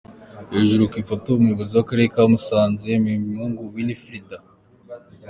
Hejuru ku ifoto:Umuyobozi w’Akarere ka Musanze Mpembyemungu Winifrida.